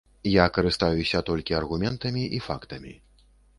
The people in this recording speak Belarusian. Я карыстаюся толькі аргументамі і фактамі.